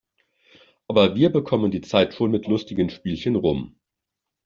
Aber wir bekommen die Zeit schon mit lustigen Spielchen rum.